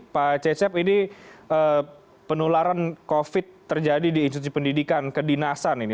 pak cecep ini penularan covid terjadi di institusi pendidikan kedinasan ini